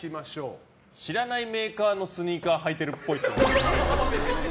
知らないメーカーのスニーカー履いてるっぽい。